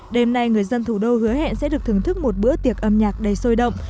đêm nay người dân thủ đô hứa hẹn sẽ được thưởng thức một bữa tiệc âm nhạc đầy sôi động